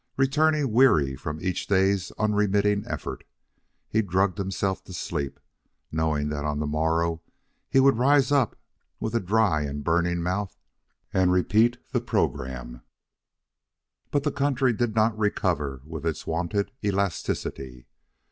Returning weary from each day's unremitting effort, he drugged himself to sleep, knowing that on the morrow he would rise up with a dry and burning mouth and repeat the program. But the country did not recover with its wonted elasticity.